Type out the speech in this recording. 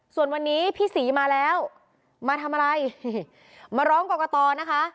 ส่วนวันนี้พี่ศรีมาแล้วมาทำอะไรมาร้องกรกตนะคะ